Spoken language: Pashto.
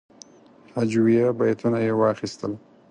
هجویه بیتونه یې واخیستل.